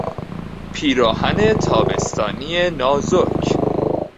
پیراهن تابستانی نازک